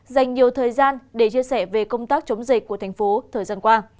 dành nhiều thời gian để chia sẻ về công tác chống dịch của thành phố thời gian qua